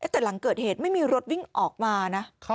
แต่หลังเกิดเหตุไม่มีรถวิ่งออกมานะ